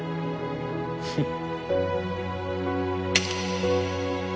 フッ。